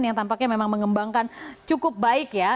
yang tampaknya memang mengembangkan cukup baik ya